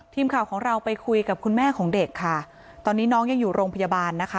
ทีมข่าวของเราไปคุยกับคุณแม่ของเด็กค่ะตอนนี้น้องยังอยู่โรงพยาบาลนะคะ